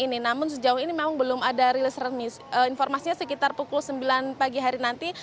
namun sejauh ini memang belum ada rilis informasinya sekitar pukul sembilan pagi hari nanti